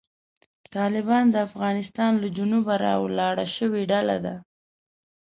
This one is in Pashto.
طالبان د افغانستان له جنوبه راولاړه شوې ډله ده.